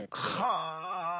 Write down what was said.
はあ。